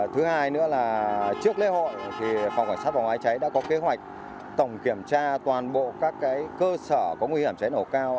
thứ hai nữa là trước lễ hội phòng cảnh sát phòng hóa cháy đã có kế hoạch tổng kiểm tra toàn bộ các cơ sở có nguy hiểm cháy nổ cao